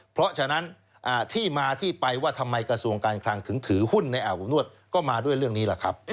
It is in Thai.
เพราะฉะนั้นที่มาที่ไปว่าทำไมกระทรวงการคลังถึงถือหุ้นในอาบอบนวดก็มาด้วยเรื่องนี้แหละครับ